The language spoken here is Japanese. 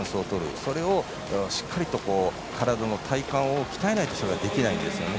それをしっかりと体の体幹を鍛えないとそれができないんですね。